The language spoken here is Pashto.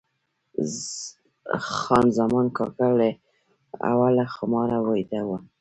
خان زمان کاکړ له اوله خمار ویده و.